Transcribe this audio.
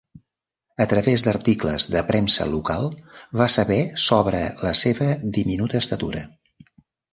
A través d'articles de premsa local va saber sobre la seva diminuta estatura.